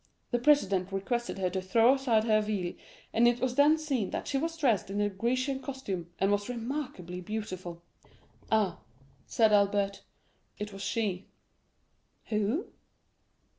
The president requested her to throw aside her veil, and it was then seen that she was dressed in the Grecian costume, and was remarkably beautiful." "Ah," said Albert, "it was she." "Who?"